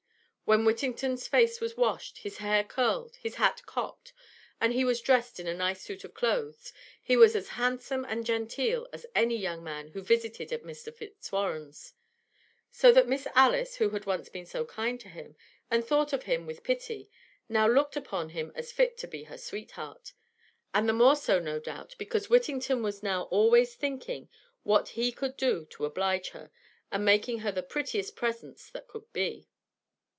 When Whittington's face was washed, his hair curled, his hat cocked, and he was dressed in a nice suit of clothes, he was as handsome and genteel as any young man who visited at Mr. Fitzwarren's; so that Miss Alice, who had once been so kind to him, and thought of him with pity, now looked upon him as fit to be her sweetheart; and the more so, no doubt, because Whittington was now always thinking what he could do to oblige her, and making her the prettiest presents that could be.